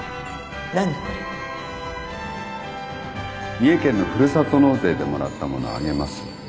三重県のふるさと納税でもらったものあげます。